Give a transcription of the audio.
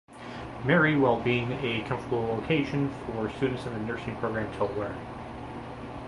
Marie while being a comfortable location for students in the Nursing program to learn.